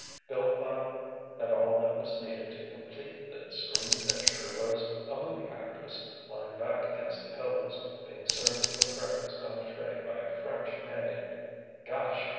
Bill thought that all that was needed to complete the screen picture was a movie actress lying back against the pillows, being served with breakfast on a tray by a "French" maid—"Gosh!